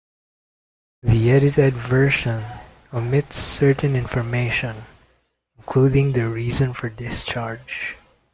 The edited version omits certain information, including the reason for discharge.